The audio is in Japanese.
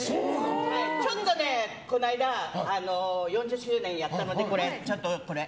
ちょっとね、この間４０周年やったのでちょっと、これ。